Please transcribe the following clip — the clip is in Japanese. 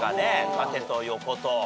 縦と横と。